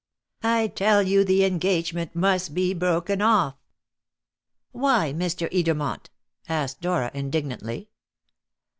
"I tell you the engagement must be broken off." "Why, Mr. Edermont?" asked Dora indignantly.